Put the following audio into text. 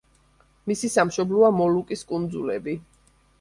მისი სამშობლოა მოლუკის კუნძულები.